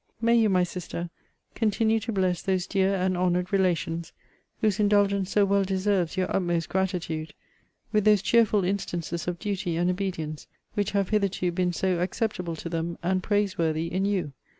May you, my Sister, continue to bless those dear and honoured relations, whose indulgence so well deserves your utmost gratitude, with those cheerful instances of duty and obedience which have hitherto been so acceptable to them, and praise worthy in you!